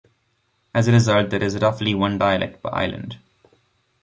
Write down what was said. As a result, there is roughly one dialect per island.